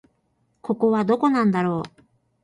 ここはどこなんだろう